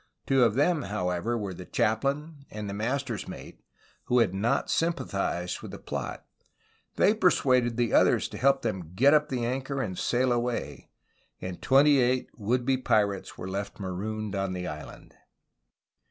Two of them, however, were the chaplain and the master's mate, who had not sym pathized with the plot. They persuaded the others to help them get up the anchor and sail away, — and twenty eight would be pirates were left marooned on the island.